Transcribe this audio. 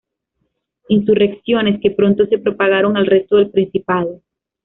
Insurrecciones que pronto se propagaron al resto del principado.